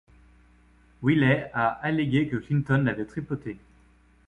Willey a allégué que Clinton l'avait tripotée.